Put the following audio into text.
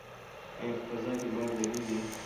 ایا په فضا کې باد لګیږي؟